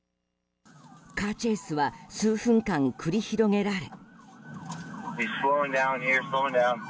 カーチェイスは数分間繰り広げられ。